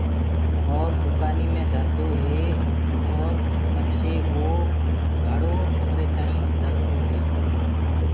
اور دُڪآني مي ڌردو هي ارو پچي وو گھڙو همري تآئينٚ رسدو هي۔